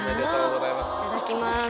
いただきます